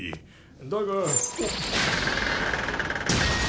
だが。